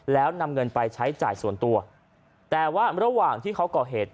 แล้วนำเงินไปใช้จ่ายส่วนตัวแต่ว่าระหว่างที่เขาก่อเหตุ